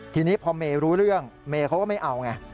ทีนี้พอเมย์รู้เรื่องเมย์เขาก็ไม่เอาไง